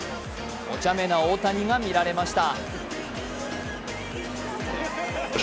お茶目な大谷が見られました。